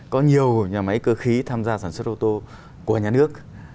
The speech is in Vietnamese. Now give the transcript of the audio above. có nhiều nhà máy cơ khí tham gia sản xuất ô tô của nhà nước